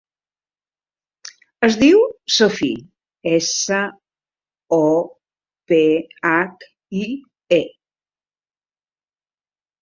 Es diu Sophie: essa, o, pe, hac, i, e.